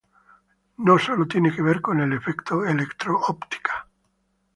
No sólo tiene que ver con el "efecto Electro-Óptica".